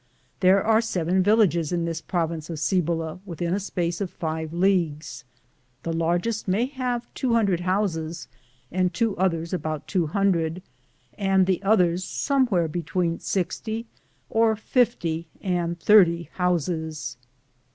There are seven villages in this province of Cibola within a space of 5 leagues ; the largest may have about 200 houses and two others about 200, and the others somewhere between 60 or 50 and 30 houses.